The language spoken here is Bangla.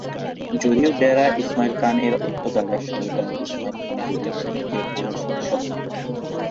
যদিও ডেরা ইসমাইল খান এর অর্থ দাড়ায় সরদার ইসমাইল খান বেলুচ এর আবাসিক শহর।